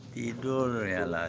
tidur ya lah